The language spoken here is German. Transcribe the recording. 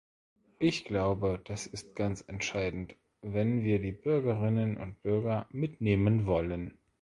Ich glaube, das ist ganz entscheidend, wenn wir die Bürgerinnen und Bürger mitnehmen wollen.